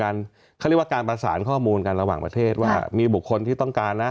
เขาเรียกว่าการประสานข้อมูลกันระหว่างประเทศว่ามีบุคคลที่ต้องการนะ